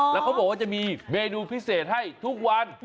แล้วเขาบอกว่าจะมีเมนูพิเศษให้ทุกวัน